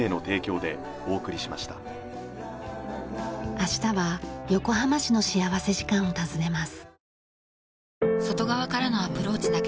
明日は横浜市の幸福時間を訪ねます。